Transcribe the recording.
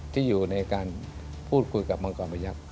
ที่อยู่ในการพูดคุยกับมังกรประยักษ์